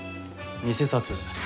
偽札。